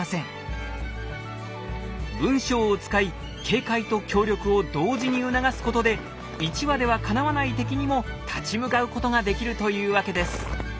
文章を使い警戒と協力を同時に促すことで一羽ではかなわない敵にも立ち向かうことができるというわけです。